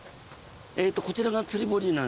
こちらが釣り堀なんですね。